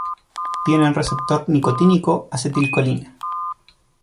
Tienen receptor nicotínico acetilcolina.